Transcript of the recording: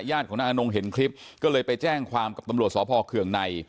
ของนายอนงเห็นคลิปก็เลยไปแจ้งความกับตำรวจสพเคืองใน